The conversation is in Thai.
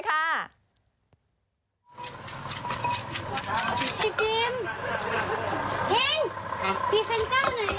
พี่เท้นเจ้าหน่อยเร็ว